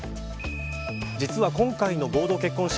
実は今回の合同結婚式。